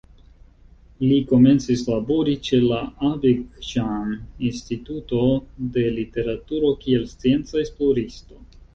Li komencis labori ĉe la Abeghjan Instituto de Literaturo kiel scienca esploristo.